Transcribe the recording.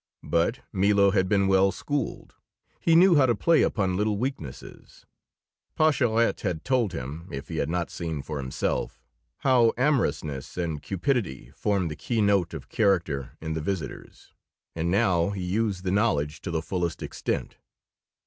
But Milo had been well schooled; he knew how to play upon little weaknesses; Pascherette had told him, if he had not seen for himself, how amorousness and cupidity formed the key note of character in the visitors; and now he used the knowledge to the fullest extent.